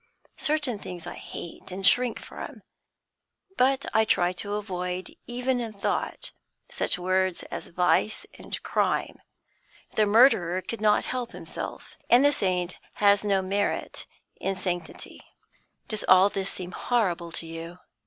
Certain things I hate and shrink from; but I try to avoid, even in thought, such words as vice and crime; the murderer could not help himself, and the saint has no merit in his sanctity. Does all this seem horrible to you?"